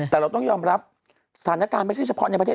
แต่เราต้องยอมรับสถานการณ์ไม่ใช่เฉพาะในประเทศ